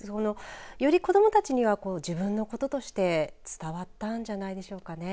より子どもたちには自分のこととして伝わったんじゃないでしょうかね。